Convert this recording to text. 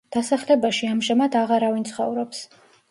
დასახლებაში ამჟამად აღარავინ ცხოვრობს.